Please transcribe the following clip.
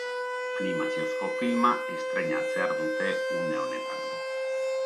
Animaziozko filma estreinatzear dute une honetan.